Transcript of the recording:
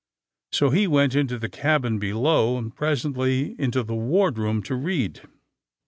So he went into the cabin below, and presently into the wardroom to read.